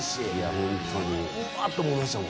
ホントにうわーっと思いましたもん